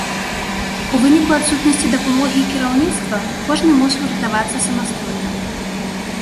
У выніку адсутнасці дапамогі і кіраўніцтва кожны мусіў ратавацца самастойна.